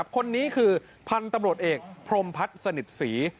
คนนี้คือพันธุ์ตำรวจเอกพรมพัฒน์สนิทศรี